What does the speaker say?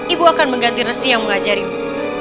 ibu akan mengganti resi yang mengajarimu